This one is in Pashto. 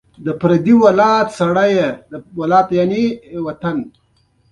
احمدشاه بابا د بهرنيانو سره د احتیاط سیاست درلود.